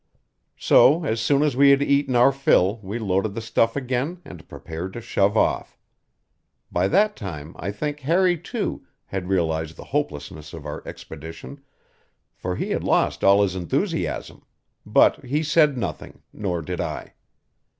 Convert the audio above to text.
So as soon as we had eaten our fill we loaded the stuff again and prepared to shove off. By that time I think Harry, too, had realized the hopelessness of our expedition, for he had lost all his enthusiasm; but he said nothing, nor did I.